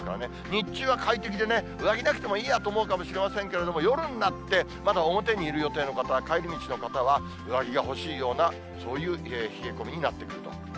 日中は快適でね、上着なくてもいいやと思うかもしれませんが、夜になってまだ表にいる予定の方は、帰り道の方は、上着が欲しいような、そういう冷え込みになってくる。